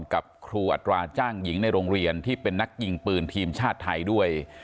กับครูอัตราจ้างหญิงในโรงเรียนที่เป็นนักยิงปืนทีมชาติไทยด้วย